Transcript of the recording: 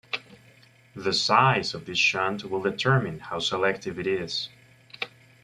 The size of this shunt will determine how selective it is.